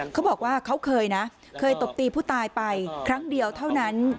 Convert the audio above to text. เขาบอกว่าเขาเคยนะเคยตบตีผู้ตายไปครั้งเดียวเท่านั้น